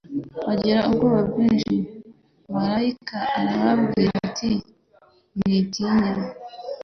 Bagira ubwoba bwinshi." Marayika arababwira ati : "Mwitinya,